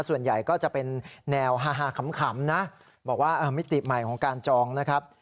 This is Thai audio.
ส่วนใหญ่ก็จะเป็นแนวฮาขำนะบอกว่ามิติใหม่ของการจองนะครับ